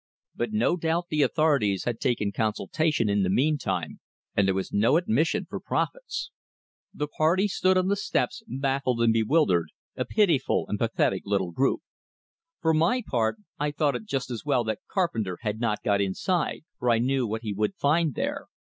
But no doubt the authorities had taken consultation in the meantime, and there was no admission for prophets. The party stood on the steps, baffled and bewildered, a pitiful and pathetic little group. For my part, I thought it just as well that Carpenter had not got inside, for I knew what he would find there.